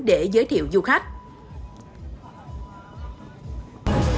để giới thiệu du khách